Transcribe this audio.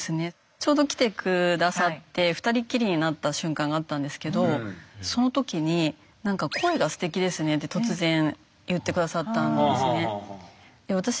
ちょうど来て下さって２人っきりになった瞬間があったんですけどその時になんか「声がステキですね」って突然言って下さったんですね。